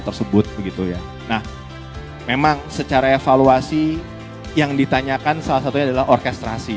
tersebut begitu ya nah memang secara evaluasi yang ditanyakan salah satunya adalah orkestrasi